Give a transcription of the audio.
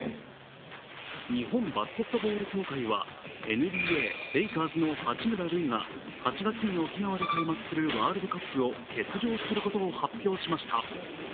日本バスケットボール協会はＮＢＡ、レイカーズの八村塁が８月に沖縄で開幕するワールドカップを欠場することを発表しました。